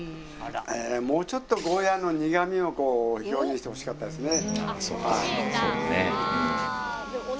もうちょっとゴーヤの苦味を表現してほしかったですね。